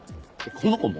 この子も？